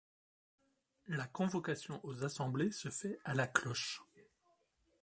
La convocation aux assemblées se fait à la cloche.